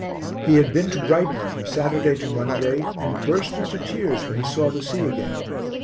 He had been to Brighton from Saturday to Monday and burst into tears when he saw the sea again.